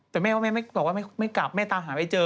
แต่แม่ว่าแม่บอกว่าไม่กลับแม่ตามหาไม่เจอ